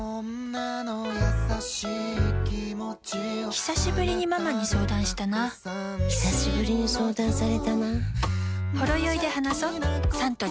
ひさしぶりにママに相談したなひさしぶりに相談されたな